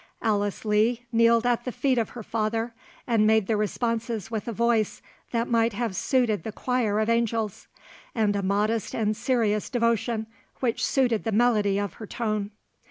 Alice Lee kneeled at the feet of her father, and made the responses with a voice that might have suited the choir of angels; and a modest and serious devotion, which suited the melody of her tone.